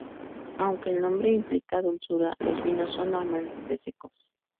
Aunque el nombre implica dulzura, los vinos son normalmente secos.